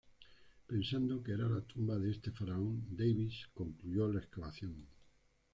Pensando que era la tumba de este faraón, Davis concluyó la excavación.